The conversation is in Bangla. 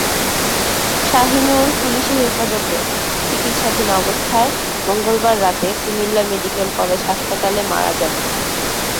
শাহীনূর পুলিশি হেফাজতে চিকিৎসাধীন অবস্থায় মঙ্গলবার রাতে কুমিল্লা মেডিকেল কলেজ হাসপাতালে মারা যান।